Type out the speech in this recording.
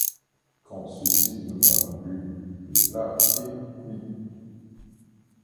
Quand ceux-ci ne bavent plus, le plat est cuit.